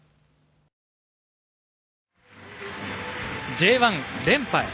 Ｊ１連覇へ。